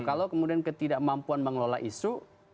kalau kemudian ketidakmampuan mengelola isu